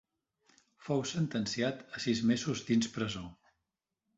Fou sentenciat a sis mesos dins presó.